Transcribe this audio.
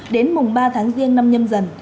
đến mùng ba tháng riêng